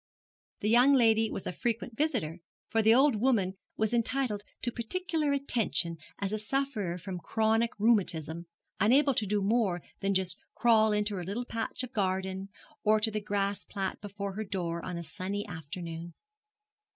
The young lady was a frequent visitor, for the old woman was entitled to particular attention as a sufferer from chronic rheumatism, unable to do more than just crawl into her little patch of garden, or to the grass plat before her door on a sunny afternoon.